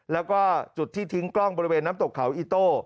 แล้วก็จุดที่ทิ้งกล้องบริเวณน้ำตกเขาอีโต้